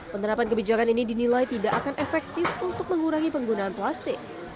penerapan kebijakan ini dinilai tidak akan efektif untuk mengurangi penggunaan plastik